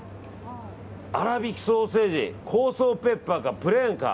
粗びきソーセージ香草ペッパーかプレーンか。